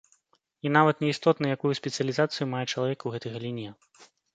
І нават не істотна, якую спецыялізацыю мае чалавек у гэтай галіне.